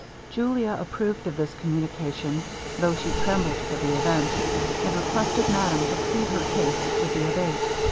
Julia approved of this communication, though she trembled for the event; and requested madame to plead her cause with the Abate.